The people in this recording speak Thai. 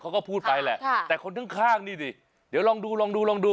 เขาก็พูดไปแหละแต่คนข้างนี่ดิเดี๋ยวลองดูลองดูลองดู